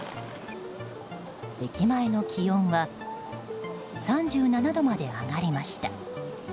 駅前の気温は３７度まで上がりました。